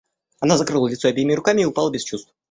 Она закрыла лицо обеими руками и упала без чувств.